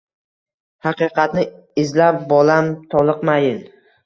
Haqiqatni izla bolam toliqmayin